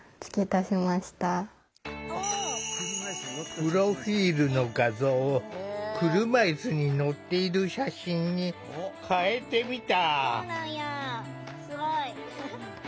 プロフィールの画像を車いすに乗っている写真に変えてみた。